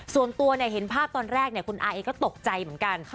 ส่วนตัวเห็นภาพตอนแรกคุณอาเองก็ตกใจเหมือนกัน